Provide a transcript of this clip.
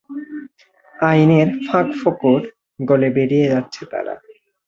আইনের ফাঁকফোকর গলে বেরিয়ে যাচ্ছে তারা।